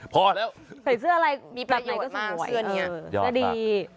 พอแล้วใส่เสื้ออะไรมีประโยชน์มากเสื้อดี